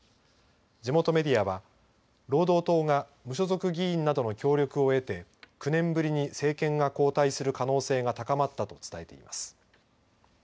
地元メディアは労働党が無所属議員などの協力を得て９年ぶりに政権が交代する可能性が高まったと伝えています。